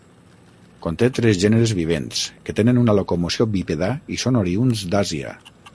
Conté tres gèneres vivents, que tenen una locomoció bípeda i són oriünds d'Àsia.